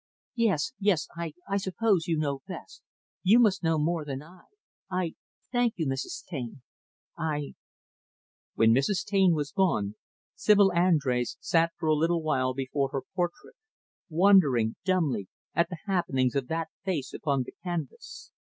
"Yes yes, I I suppose you know best. You must know more than I. I thank you, Mrs. Taine. I " When Mrs. Taine was gone, Sibyl Andrés sat for a little while before her portrait; wondering, dumbly, at the happiness of that face upon the canvas.